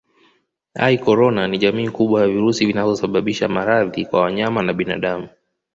ïCorona ni jamii kubwa ya virusi vinavyosababisha maradhi kwa wanyama na binadamu